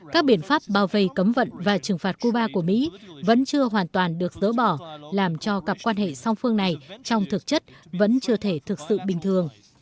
các biện pháp bao vây cấm vận và trừng phạt cuba của mỹ vẫn chưa hoàn toàn được dỡ bỏ làm cho cặp quan hệ song phương này trong thực chất vẫn chưa thể thực sự bình thường